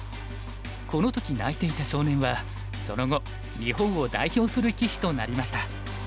この時泣いていた少年はその後日本を代表する棋士となりました。